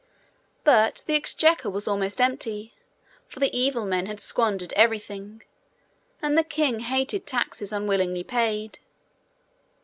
But the exchequer was almost empty, for the evil men had squandered everything, and the king hated taxes unwillingly paid.